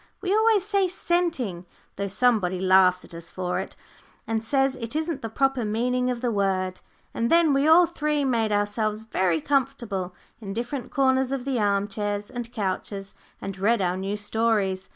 we always say "scenting," though somebody laughs at us for it, and says it isn't the proper meaning of the word and then we all three made ourselves very comfortable in different corners of the arm chairs and couches, and read our new stories.